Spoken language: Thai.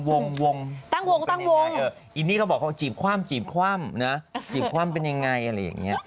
ตั้งวงเป็นยังไงอีนี่ก็บอกจีบคว่ำนะจีบคว่ำเป็นยังไงอะไรอย่างนี้